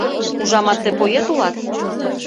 Ужамат, тый поэт улат?